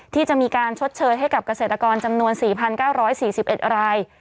ที่จะมีการชดเชยให้กับเกษตรกรจำนวน๔๙๔๑ราย